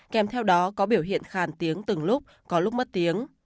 kèm theo đó có biểu hiện khàn tiếng từng lúc có lúc mất tiếng